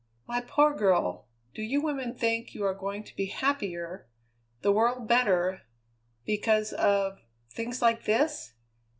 "My poor girl! Do you women think you are going to be happier, the world better, because of things like this?